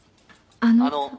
あの。